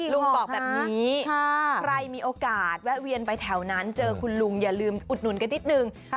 ลุงบอกแบบนี้ใครมีโอกาสแวะเวียนไปแถวนั้นเจอคุณลุงอย่าลืมอุดหนุนกันนิดนึง